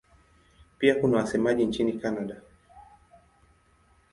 Pia kuna wasemaji nchini Kanada.